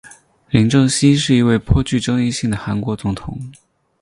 朴正熙是一位颇具争议性的韩国总统。